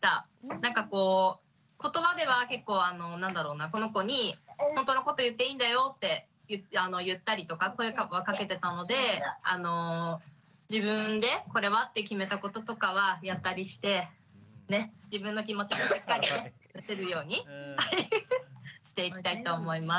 なんかこう言葉では結構この子に本当のこと言っていいんだよって言ったりとか声はかけてたので自分でこれはって決めたこととかはやったりしてねっ自分の気持ちもしっかりね出せるようにしていきたいと思います。